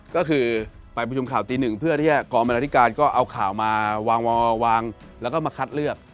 ก็คือไปประชุมข่าวตีหนึ่งเพื่อที่จะกองบรรณาธิการก็เอาข่าวมาวางแล้วก็มาคัดเลือก